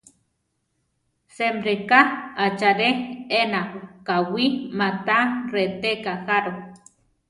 Semreká achare ena kawí ma ta reteka jaro.